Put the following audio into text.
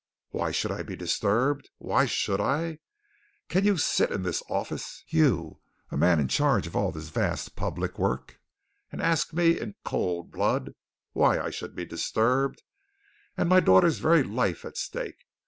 "Why should I be disturbed? Why should I? Can you sit in this office, you a man in charge of all this vast public work, and ask me in cold blood why I should be disturbed? And my daughter's very life at stake.